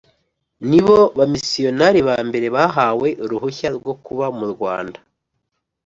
ni bo bamisiyonari ba mbere bahawe uruhushya rwo kuba mu Rwanda